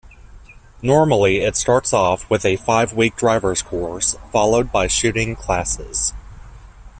Normally it starts off with a five-week drivers course, followed by shooting classes.